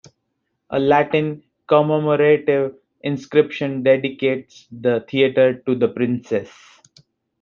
A Latin commemorative inscription dedicates the theatre to the princess.